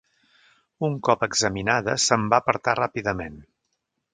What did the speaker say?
Un cop examinada, se'n va apartar ràpidament.